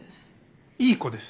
いい子です。